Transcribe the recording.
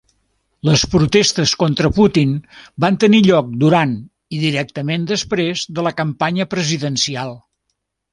Les protestes contra Putin van tenir lloc durant i directament després de la campanya presidencial.